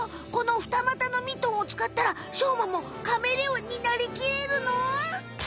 このふたまたのミトンをつかったらしょうまもカメレオンになりきれるの？